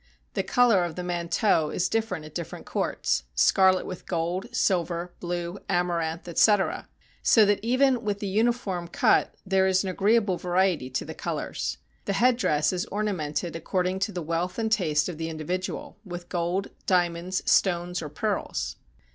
The color of the manteaux is different at different courts — scarlet with gold, silver, blue, amaranth, etc., so that even with the uniform cut there is an agreeable variety in the colors. The head dress is ornamented according to the wealth and taste of the individual — with gold, diamonds, stones, or pearls.